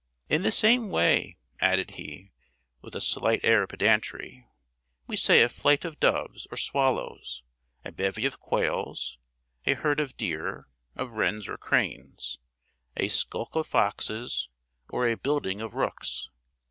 "In the same way," added he, with a slight air of pedantry, "we say a flight of doves or swallows, a bevy of quails, a herd of deer, of wrens, or cranes, a skulk of foxes, or a building of rooks."